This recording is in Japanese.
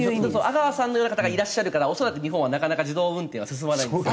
阿川さんのような方がいらっしゃるから恐らく日本はなかなか自動運転は進まないんですよ。